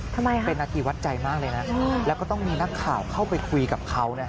ทำไมคะเป็นนาทีวัดใจมากเลยนะแล้วก็ต้องมีนักข่าวเข้าไปคุยกับเขา